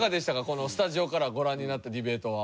このスタジオからご覧になったディベートは。